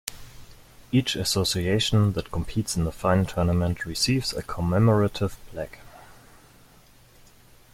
Each association that competes in the final tournament receives a commemorative plaque.